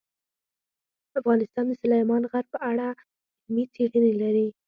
افغانستان د سلیمان غر په اړه علمي څېړنې لري.